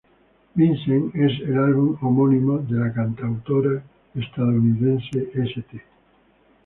Vincent es el álbum homónimo de la cantautora estadounidense St.